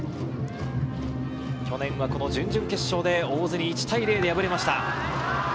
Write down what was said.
去年は、この準々決勝で大津に１対０で敗れました。